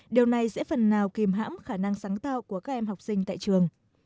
điều này sẽ phần nào kìm hãm khả năng sáng tạo